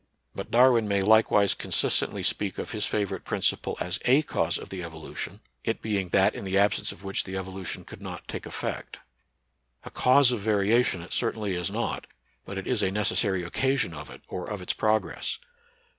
But Darwin may likewise consistently speak of his favorite principle as a cause of the evolution, it being that in the absence of which the evolution could not take effect. A cause of variation it certainly is not, but it is a necessary occasion of it, or of its progress.